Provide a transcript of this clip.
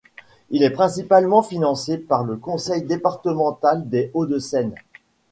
Il est principalement financé par le Conseil départemental des Hauts-de-Seine.